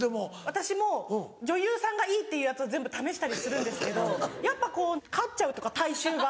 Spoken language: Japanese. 私も女優さんがいいって言うやつを全部試したりするんですけどやっぱこう勝っちゃうっていうか体臭が。